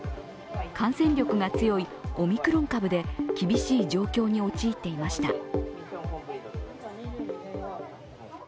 感染力が強いオミクロン株で厳しい状況に陥っていました。